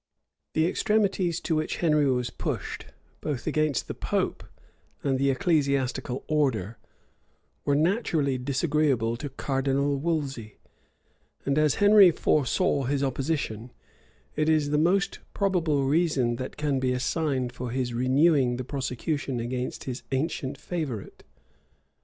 [*] The extremities to which Henry was pushed, both against the pope and the ecclesiastical order, were naturally disagreeable to Cardinal Wolsey; and as Henry foresaw his opposition, it is the most probable reason that can be assigned for his renewing the prosecution against his ancient favorite.